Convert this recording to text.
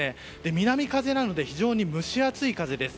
南風なので非常に蒸し暑い風です。